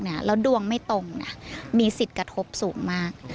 แล้วดวงไม่ตรงมีสิทธิ์กระทบสูงมาก